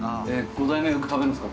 ５代目よく食べるんですか？